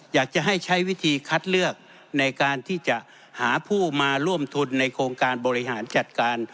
อยากจะให้ใช้วิธีคัดเลือกในการที่จะหาผู้มาร่วมทุนในโครงการบริหารจัดการ